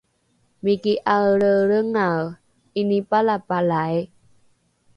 miki ’aelreelrengae ’inipalapalai